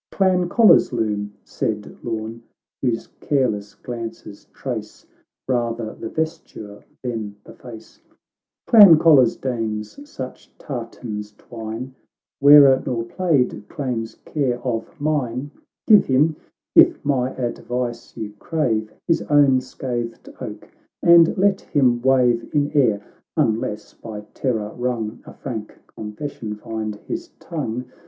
—" Clan Colla's loom," Said Lorn, whose careless glances trace Rather the vesture than the face, "Clan Colla's dames such tartans twine; Wearer nor plaid claims care of mine. CAXTO Y.] THE LORD OF THE ISLES. 637 Give him, if ray advice you crave, His own scathed oak ; and let him wave In air, unless, by terror wrung, A frank confession find his tongue.